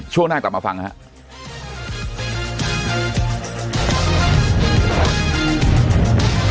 ช่วงหน้ากลับมาฟังนะครับ